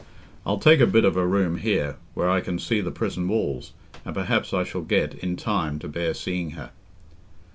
I'll take a bit of a room here, where I can see the prison walls, and perhaps I shall get, in time, to bear seeing her."